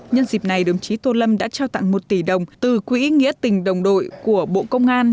nhân dịp này đồng chí tô lâm đã trao tặng một tỷ đồng từ quỹ nghĩa tình đồng đội của bộ công an